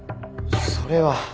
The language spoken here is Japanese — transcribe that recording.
それは。